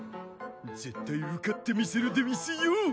絶対受かってみせるでうぃすよ。